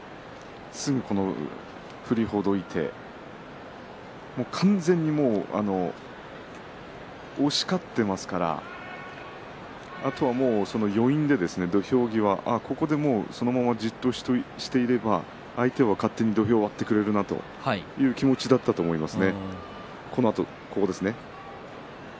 すぐに振りほどいて完全に押し勝ってますからあとは、その余韻で土俵際ここでもう、じっとしていれば相手は勝手に土俵を割ってくれるなという気持ちだったと思います。